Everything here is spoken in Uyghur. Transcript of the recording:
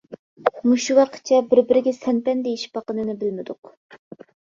مۇشۇ ۋاققىچە بىر بىرىگە سەن-پەن دېيىشىپ باققىنىنى بىلمىدۇق.